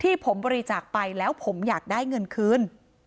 ที่ผมบริจาคไปแล้วผมอยากได้เงินคืน